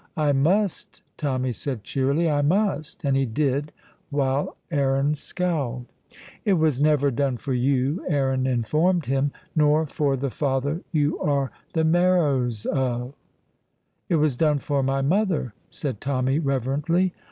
"I must," Tommy said cheerily, "I must"; and he did, while Aaron scowled. "It was never done for you," Aaron informed him, "nor for the father you are the marrows o'." "It was done for my mother," said Tommy, reverently.